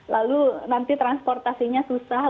lalu nanti transportasinya susah